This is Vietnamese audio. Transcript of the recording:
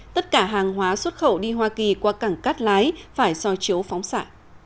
tất cả hàng hóa xuất khẩu đi hoa kỳ qua cảng cát lái phải soi chiếu phóng xạ